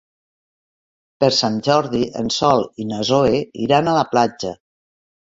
Per Sant Jordi en Sol i na Zoè iran a la platja.